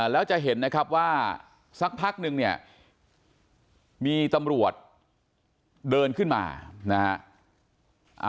แล้วจะเห็นนะครับว่าสักพักนึงเนี่ยมีตำรวจเดินขึ้นมานะฮะ